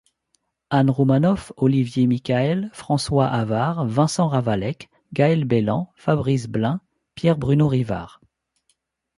Anne Roumanoff, Olivier Mikael, François Avard, Vincent Ravallec, Gaëlle Bellan, Fabrice Blind, Pierre-Bruno Rivard.